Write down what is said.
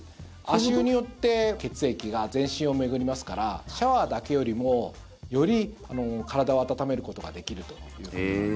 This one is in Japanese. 足湯によって血液が全身を巡りますからシャワーだけよりもより体を温めることができると思います。